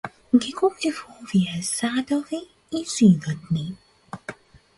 Ги купив овие садови и животни.